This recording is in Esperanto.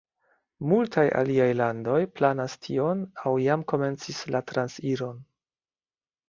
Multaj aliaj landoj planas tion aŭ jam komencis la transiron.